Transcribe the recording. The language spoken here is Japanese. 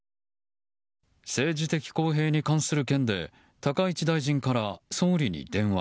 政治的公平に関する件で高市大臣から総理に電話。